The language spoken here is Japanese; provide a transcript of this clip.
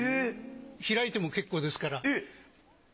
開いても結構ですから。